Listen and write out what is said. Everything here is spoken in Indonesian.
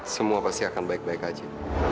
semua pasti akan baik baik aja